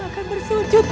kamu akan bersujud afif